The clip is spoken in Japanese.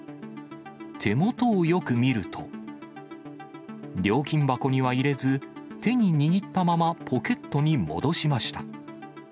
手元をよく見ると、料金箱には入れず、手に握ったまま、ポケットに戻しました。